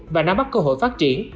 và nắm bắt cơ hội phát triển